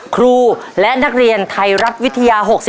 ครูและนักเรียนไทยรัฐวิทยา๖๔